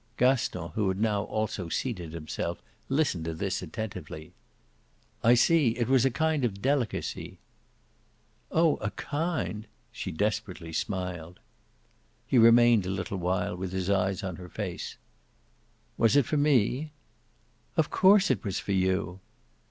Gaston, who had now also seated himself, listened to this attentively. "I see. It was a kind of delicacy." "Oh a 'kind'!" She desperately smiled. He remained a little with his eyes on her face. "Was it for me?" "Of course it was for you."